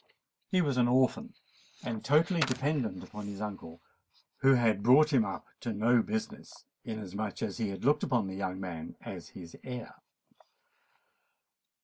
He was an orphan, and totally dependent upon his uncle, who had brought him up to no business, inasmuch as he had looked upon the young man as his heir.